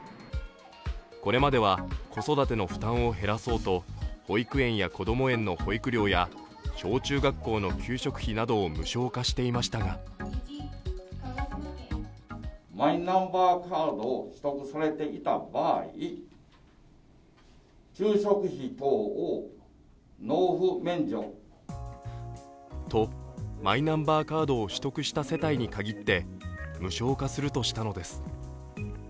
これまでは子育ての負担を減らそうと、保育園やこども園の保育料や小中学校の給食費などを無償化していましたがと、マイナンバーカードを取得した世帯に限って無償化するとしたのです。